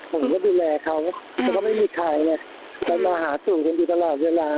ผมก็ดูแลเขาแต่เขาไม่มีใครแต่มาหาสู่กันดีตลอดเวลา